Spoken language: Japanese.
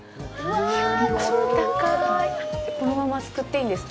このまますくっていいんですか？